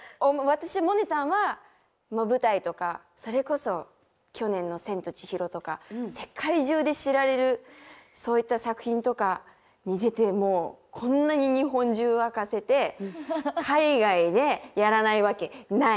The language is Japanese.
私萌音さんは舞台とかそれこそ去年の「千と千尋」とか世界中で知られるそういった作品とかに出てこんなに日本中沸かせて海外でやらないわけない。